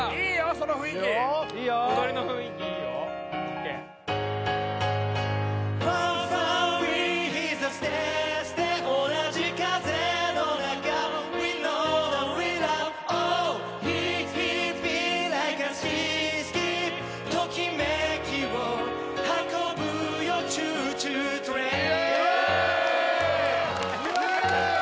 その雰囲気・踊りの雰囲気いいよＯＫ・イエーイ！